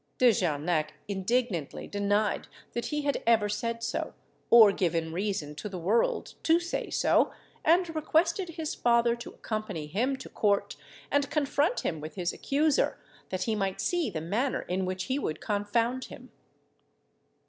De Jarnac indignantly denied that he had ever said so, or given reason to the world to say so, and requested his father to accompany him to court and confront him with his accuser, that he might see the manner in which he would confound him.